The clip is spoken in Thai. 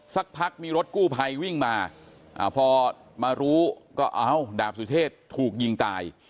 สักพักมีรถกู้ภัยวิ่งมาพอมารู้ก็เอาดาบสุเชษถูกยิงตาย